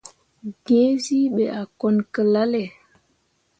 Gǝǝzyii ɓe a kone ki lalle.